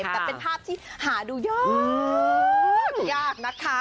แต่เป็นภาพที่หาดูยากนะคะ